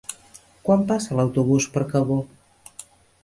Quan passa l'autobús per Cabó?